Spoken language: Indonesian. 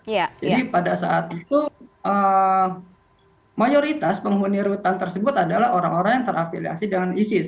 jadi pada saat itu mayoritas penghuni rutan tersebut adalah orang orang yang terafiliasi dengan isis